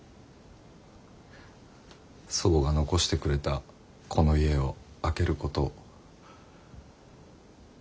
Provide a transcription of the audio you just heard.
祖母が残してくれたこの家を空けること。